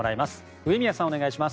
上宮さん、お願いします。